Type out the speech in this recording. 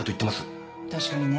確かにね。